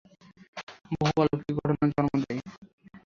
বহু অলৌকিক ঘটনা জন্ম দেয়।